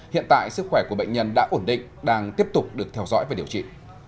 hiện tại sức khỏe của bệnh nhân đã ổn định đang tiếp tục được theo dõi và điều trị